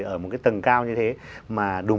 ở một cái tầng cao như thế mà đùm